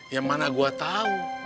ya mana gue tau